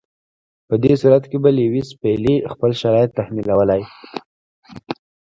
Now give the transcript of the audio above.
په دې صورت کې به لیویس پیلي خپل شرایط تحمیلولای.